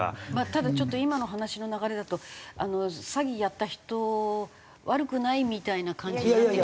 ただちょっと今の話の流れだと詐欺やった人悪くないみたいな感じになって。